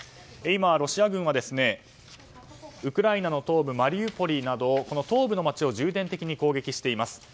今、ロシア軍はウクライナの東部マリウポリなど東部の街を重点的に攻撃しています。